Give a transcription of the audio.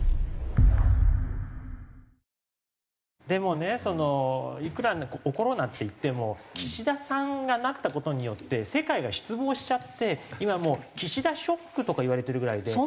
でもねそのいくらコロナっていっても岸田さんがなった事によって世界が失望しちゃって今もう岸田ショックとかいわれてるぐらいで。